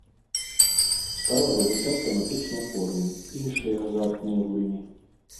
Стала вывучаць тэматычныя форумы, іншыя азартныя гульні.